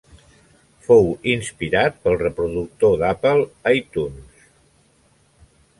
Fou inspirat pel reproductor d'Apple, iTunes.